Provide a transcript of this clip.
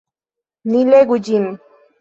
Ni legu ĝin!